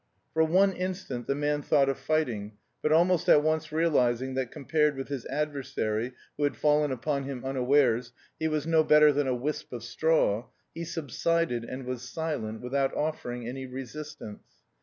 For one instant the man thought of fighting, but almost at once realising that compared with his adversary, who had fallen upon him unawares, he was no better than a wisp of straw, he subsided and was silent, without offering any resistance.